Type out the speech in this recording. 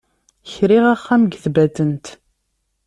Kriɣ axxam deg Tbatent.